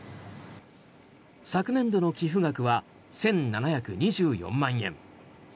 昨年度の寄付額は１７２４万円。